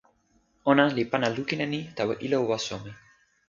ona li pana lukin e ni tawa ilo waso mi.